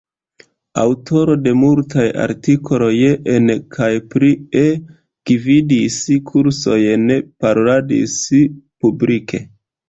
Aŭtoro de multaj artikoloj en kaj pri E, gvidis kursojn, paroladis publike.